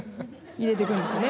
入れて行くんですよね。